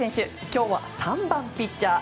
今日は３番ピッチャー